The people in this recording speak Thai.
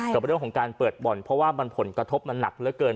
กับเรื่องของการเปิดบ่อนเพราะว่ามันผลกระทบมันหนักเหลือเกิน